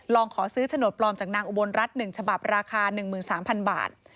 ขอซื้อโฉนดปลอมจากนางอุบลรัฐ๑ฉบับราคา๑๓๐๐๐บาท